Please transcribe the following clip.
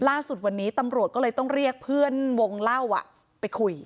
ล่าสุดวันนี้ตำรวจก็เลยต้องเรียกเพื่อนวงเล่าไปคุย